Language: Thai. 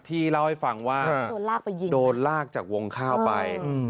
ที่เล่าให้ฟังว่าโดนลากจากวงค่าอมาณ